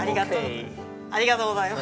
ありがとうございます。